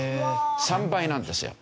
３倍なんですよ。